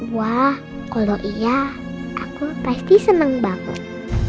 wah kalo iya aku pasti seneng banget